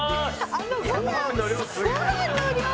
「あのご飯ご飯の量！」